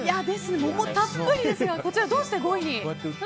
桃たっぷりですがこちら、どうして５位に？